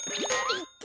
いった！